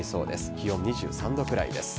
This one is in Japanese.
気温、２３度くらいです。